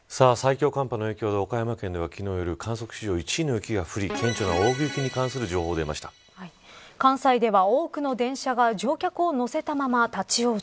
最強寒波の影響で岡山県では観測史上１位の雪が降り関西では多くの電車が乗客を乗せたまま立ち往生。